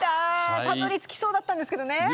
たどり着きそうだったんですけどね。